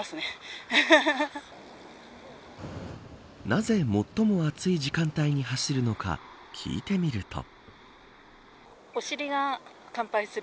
なぜ最も暑い時間帯に走るのか聞いてみると。